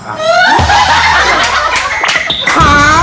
หา